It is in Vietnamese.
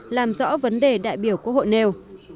làm rõ vấn đề đại biểu quốc hội nêu